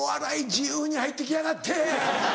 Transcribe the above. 自由に入ってきやがって。